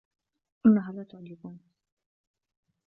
إنها لا تعجبني.